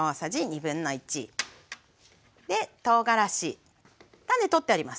とうがらし種取ってあります